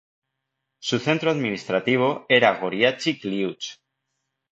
Su centro administrativo era Goriachi Kliuch.